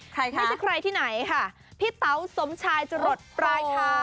ไม่ใช่ใครที่ไหนพี่เต๋าสมชายจะหลดปลายเท้า